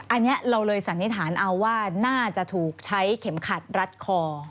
อันนี้เราเลยสันนิษฐานเอาว่าน่าจะถูกใช้เข็มขัดรัดคอ